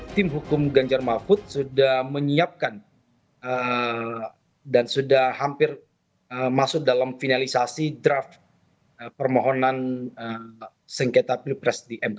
tim hukum ganjar mahfud sudah menyiapkan dan sudah hampir masuk dalam finalisasi draft permohonan sengketa pilpres di mk